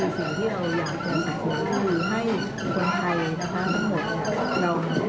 เราขอบคุณคุณคุณค่ะทั้งหมด